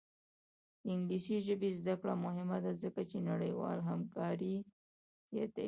د انګلیسي ژبې زده کړه مهمه ده ځکه چې نړیوالې همکاري زیاتوي.